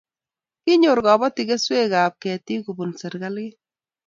Kinyor kobotik keswekab ketik kobun serkalit